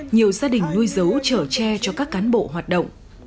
nhiều gia đình nuôi dấu trở tre cho các cán bộ hoạt động